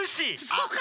そうか。